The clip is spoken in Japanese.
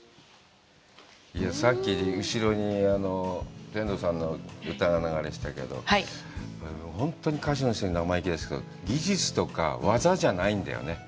さっき後ろに天童さんの歌が流れてたけど、本当に歌手の人に生意気ですけど、技術とか、技じゃないんだよね。